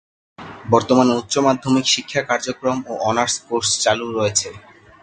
বর্তমানে উচ্চমাধ্যমিক শিক্ষা কার্যক্রম ও অনার্স কোর্স চালু রয়েছে।